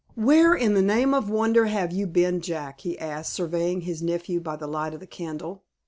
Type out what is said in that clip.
"Where in the name of wonder have you been, Jack?" he asked, surveying his nephew by the light of the candle.